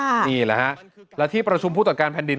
นี่แหละฮะและที่ประชุมผู้ตรวจการแผ่นดิน